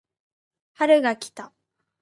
春が来た